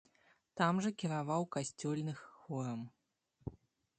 Там жа кіраваў касцёльных хорам.